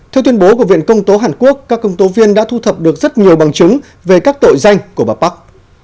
theo tuyên bố của viện công tố hàn quốc các công tố viên đã thu thập được rất nhiều bằng chứng về các tội danh của bà park